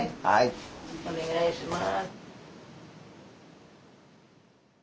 お願いします。